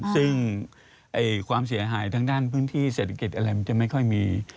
ซึ่งความเสียหายทางด้านพื้นที่เศรษฐกิจอะไรมันจะไม่ค่อยมี